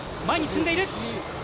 前に進んでいる。